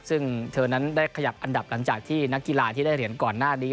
ซึ่งเธอนั้นได้ขยับอันดับหลังจากที่นักกีฬาที่ได้เหรียญก่อนหน้านี้